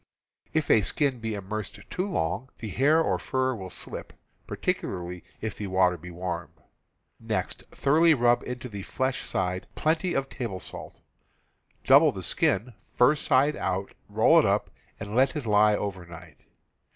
If a skin be immersed too long, the hair or fur will slip — particularly if the water be warm. Next thoroughly rub into the flesh side plenty of table salt. Double the skin, fur side out, roll it up, and let it lie over night.